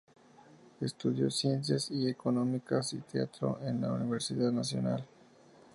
Estudió Ciencias y Económicas y Teatro en la Universidad Nacional.